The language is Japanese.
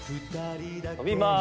伸びます。